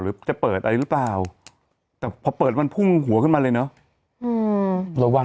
อื้อเอาิมันทำไมอ่ะ